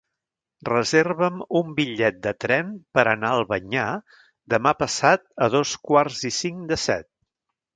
Reserva'm un bitllet de tren per anar a Albanyà demà passat a dos quarts i cinc de set.